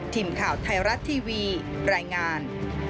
ทีมข่าวไทยรัฐทีวีรายงาน